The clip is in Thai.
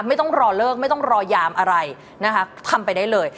ไม่ต้องรอเลิกไม่ต้องรอยามอะไรนะคะทำไปได้เลย